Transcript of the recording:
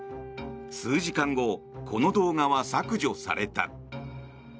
数時間後この動画は削除された。